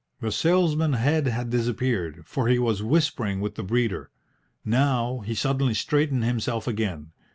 The salesman's head had disappeared, for he was whispering with the breeder. Now he suddenly straightened himself again.